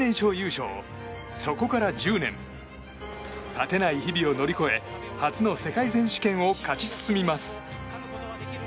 勝てない日々を乗り越え初の世界選手権を勝ち進みます。